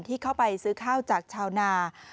ที่เข้าไปซื้อข้าวจากชาวนา